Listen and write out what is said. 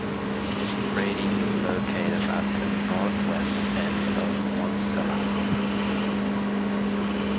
Brades is located at the northwest end of Montserrat.